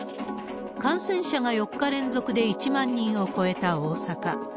感染者が４日連続で１万人を超えた大阪。